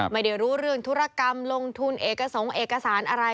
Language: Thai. ไม่ได้รู้เรื่องธุรกรรมลงทุนเอกสงค์เอกสารอะไร